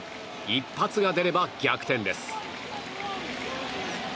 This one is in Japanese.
一発が出れば逆転です。